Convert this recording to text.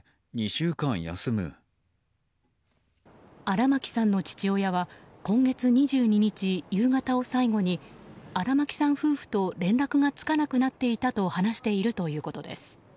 荒牧さんの父親は今月２２日、夕方を最後に荒牧さん夫婦と連絡がつかなくなっていたと話しているということです。